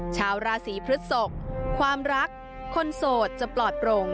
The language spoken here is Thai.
ชาวราศีพฤศกความรักคนโสดจะปลอดโปร่ง